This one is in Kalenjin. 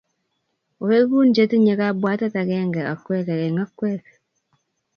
Oegu che tinyei kabwatet agenge okwege eng' okwege.